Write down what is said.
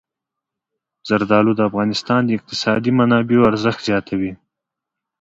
زردالو د افغانستان د اقتصادي منابعو ارزښت زیاتوي.